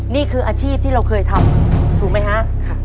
นี่คืออาชีพที่เราเคยทำถูกไหมฮะ